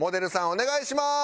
お願いします。